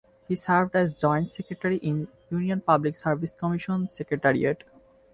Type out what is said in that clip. He served as Joint Secretary in Union Public Service Commission Secretariat.